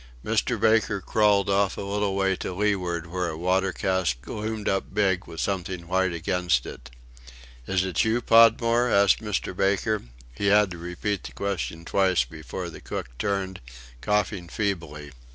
Mr. Baker crawled off a little way to leeward where a water cask loomed up big, with something white against it. "Is it you, Podmore?" asked Mr. Baker, He had to repeat the question twice before the cook turned, coughing feebly.